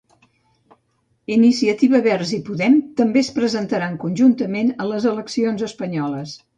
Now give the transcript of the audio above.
ICV i Podem també es presentaran conjuntament a les eleccions espanyoles.